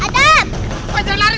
adam tunggu adam